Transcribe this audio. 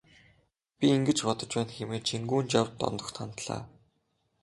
Би ингэж бодож байна хэмээн Чингүнжав Дондогт хандлаа.